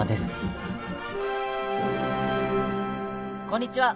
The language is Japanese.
こんにちは！